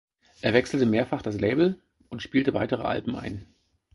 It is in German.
Er wechselte mehrfach das Label und spielte weitere Alben ein.